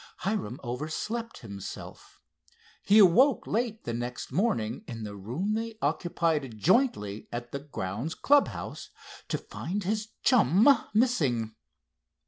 Hiram overslept himself. He awoke late the next morning, in the room they occupied jointly at the grounds clubhouse, to find his chum missing.